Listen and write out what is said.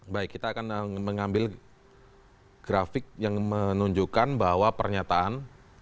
baik kita akan mengambil grafik yang menunjukkan bahwa pernyataan